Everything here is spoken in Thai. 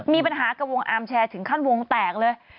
มีปัญหากับวงอาร์มแชร์ถึงขั้นวงแตกเลย